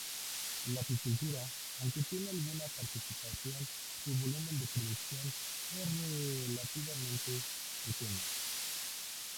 La apicultura, aunque tiene alguna participación, su volumen de producción es relativamente pequeño.